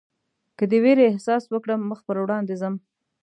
که د وېرې احساس وکړم مخ پر وړاندې ځم.